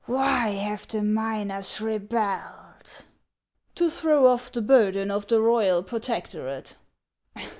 " Why have the miners rebelled ?"" To throw off the burden of the royal protectorate."